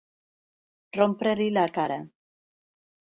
Rompre-li la cara.